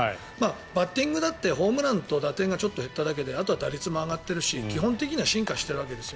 バッティングだってホームランと打点がちょっと減っただけであとは打率も上がってるし基本的には進化しているわけですよ。